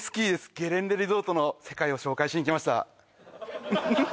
ゲレンデリゾートの世界を紹介しに来ました